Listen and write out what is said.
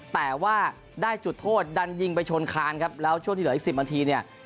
แต่ว่าได้จุดโทษดันยิงไปชนคานครับแล้วช่วงที่เหลืออีก๑๐นาทีเนี่ย